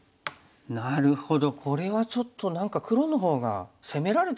なるほどこれはちょっと何か黒の方が攻められてる感じがしますね。